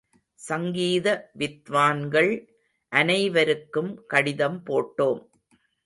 சங்கீத வித்வான்கள் அனைவருக்கும் கடிதம் போட்டோம்.